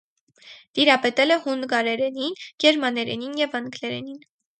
Տիրապետել է հունգարերենին, գերմաներենին և անգլերենին։